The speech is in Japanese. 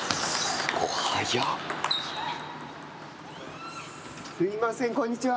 すいません、こんにちは。